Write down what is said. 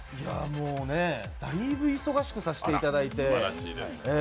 もうだいぶ忙しくさせていただいて。